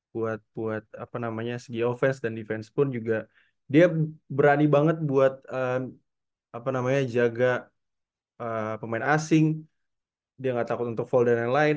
buat segi offense dan defense pun juga dia berani banget buat jaga pemain asing dia gak takut untuk fall dan lain lain